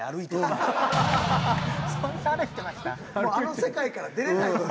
もうあの世界から出れないのよ。